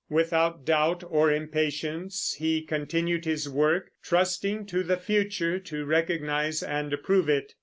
Without doubt or impatience he continued his work, trusting to the future to recognize and approve it.